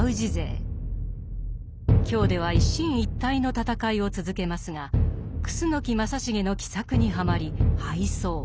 京では一進一退の戦いを続けますが楠木正成の奇策にはまり敗走。